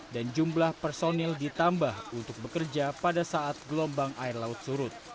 dan jumlah personil ditambah untuk bekerja pada saat gelombang air laut surut